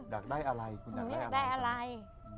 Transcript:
อยากได้อะไรคุณอยากได้อะไร